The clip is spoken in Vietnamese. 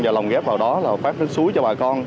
và lòng ghép vào đó là phát rứt suối cho bà con